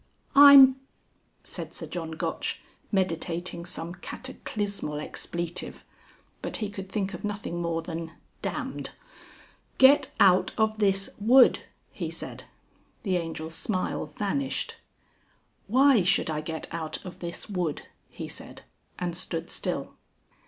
"I'm ," said Sir John Gotch, meditating some cataclysmal expletive. But he could think of nothing more than "damned." "Get out of this wood," he said. The Angel's smile vanished. "Why should I get out of this wood?" he said, and stood still.